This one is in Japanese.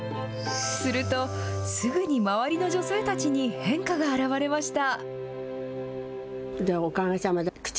すると、すぐに周りの女性たちに変化が現れました。